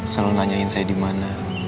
selalu nanyain saya dimana